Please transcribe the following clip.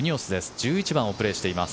１１番をプレーしています